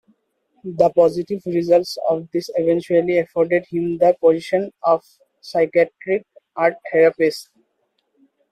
The positive results of this eventually afforded him the position of Psychiatric Art Therapist.